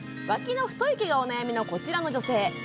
ワキの太い毛がお悩みのこちらの女性